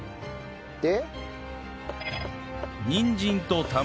で？